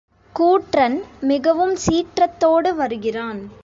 கூற்றன் மிகவும் சீற்றத்தோடு வருகிறான்.